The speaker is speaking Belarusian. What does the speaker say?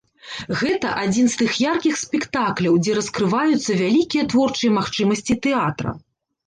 Гэта адзін з тых яркіх спектакляў, дзе раскрываюцца вялікія творчыя магчымасці тэатра.